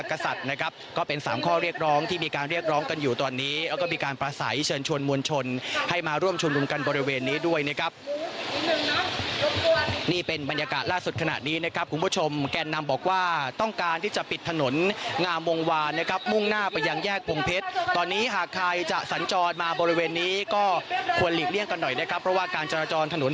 กษัตริย์นะครับก็เป็นสามข้อเรียกร้องที่มีการเรียกร้องกันอยู่ตอนนี้แล้วก็มีการประสัยเชิญชวนมวลชนให้มาร่วมชุมนุมกันบริเวณนี้ด้วยนะครับนี่เป็นบรรยากาศล่าสุดขณะนี้นะครับคุณผู้ชมแกนนำบอกว่าต้องการที่จะปิดถนนงามวงวานนะครับมุ่งหน้าไปยังแยกพงเพชรตอนนี้หากใครจะสัญจรมาบริเวณนี้ก็ควรหลีกเลี่ยงกันหน่อยนะครับเพราะว่าการจราจรถนน